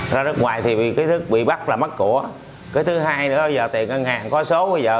ra nước ngoài thì cái thứ bị bắt là mất của cái thứ hai nữa bây giờ tiền ngân hàng có số bây giờ